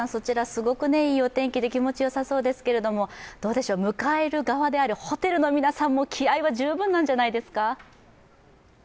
すごくいいお天気で気持ちよさそうですけれど迎える側であるホテルの皆さんも気合いは十分なんじゃないですか？